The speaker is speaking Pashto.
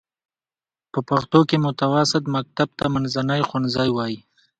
په پښتو کې متوسطه مکتب ته منځنی ښوونځی وايي.